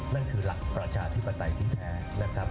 นั่นคือหลักประชาธิปไตยที่แท้นะครับ